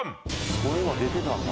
声は出てたな。